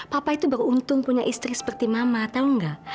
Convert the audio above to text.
papa itu beruntung punya istri seperti mama tahu nggak